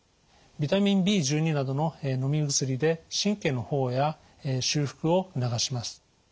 ビタミンＢ１２などののみ薬で神経の保護や修復を促します。